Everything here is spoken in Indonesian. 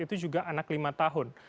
itu juga anak lima tahun